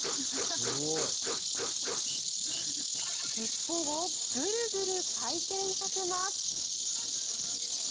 尻尾をグルグル回転させます。